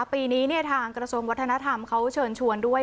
ปีนี้ทางกระทรวงวัฒนธรรมเขาเชิญชวนด้วย